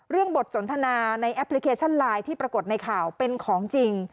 บทสนทนาในแอปพลิเคชันไลน์ที่ปรากฏในข่าวเป็นของจริง